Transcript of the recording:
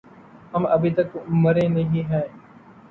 ہم أبھی تک مریں نہیں ہے۔